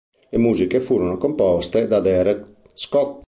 Le musiche furono composte da Derek Scott.